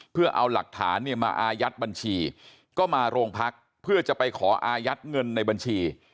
เพื่อเอาหลักฐานเนี่ยมาอายัดบัญชีก็มาโรงพักเพื่อจะไปขออายัดเงินในบัญชี